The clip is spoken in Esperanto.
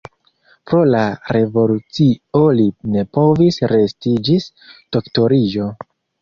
Pro la revolucio li ne povis resti ĝis doktoriĝo.